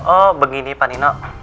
oh begini pan nino